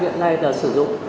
hiện nay là sử dụng